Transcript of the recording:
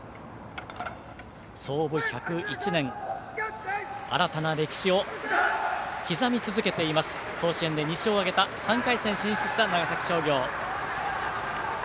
創部１０１年、新たな歴史を刻み続けています甲子園で２勝を挙げ３回戦へ進出した長崎商業。